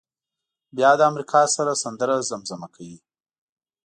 بیا له امریکا سره سندره زمزمه کوي.